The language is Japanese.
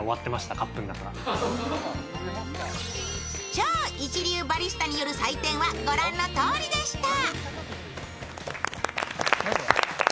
超一流バリスタによる採点はご覧のとおりでした。